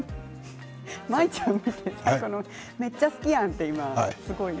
舞ちゃん見てめっちゃ好きやんて。